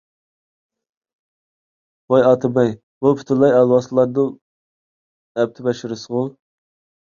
ۋاي ئاتىمەي! بۇ پۈتۈنلەي ئالۋاستىلارنىڭ ئەپت - بەشىرىسىغۇ!